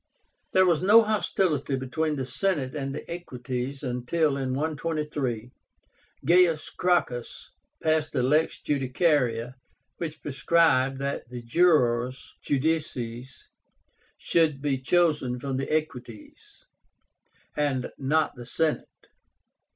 There was no hostility between the Senate and the Equites until, in 123, Gaius Gracchus passed the Lex Judicaria, which prescribed that the jurors (judices) should be chosen from the Equites, and not the Senate.